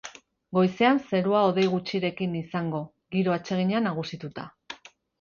Goizean zerua hodei gutxirekin izango, giro atsegina nagusituta.